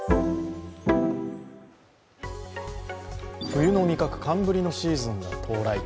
冬の味覚、寒ブリのシーズンが到来。